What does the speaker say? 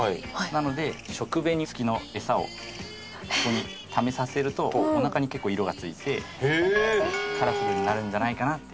なので食紅付きのエサをここにためさせるとおなかに結構色が付いてカラフルになるんじゃないかなっていう。